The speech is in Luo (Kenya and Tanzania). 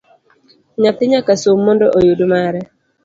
Nyathi nyaka som mondo oyud mare